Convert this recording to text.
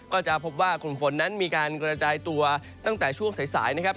ก็จะพบว่ากลุ่มฝนนั้นมีการกระจายตัวตั้งแต่ช่วงสายนะครับ